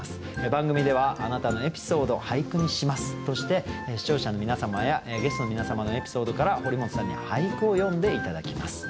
番組では「あなたのエピソード、俳句にします」として視聴者の皆様やゲストの皆様のエピソードから堀本さんに俳句を詠んで頂きます。